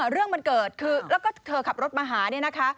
เรื่องมันเกิดคือแล้วก็เธอขับรถมาหาเนี่ยนะคะ